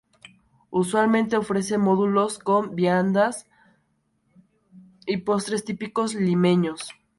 Usualmente ofrece módulos con viandas y postres típicos limeños.